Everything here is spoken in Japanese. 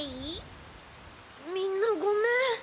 みんなごめん。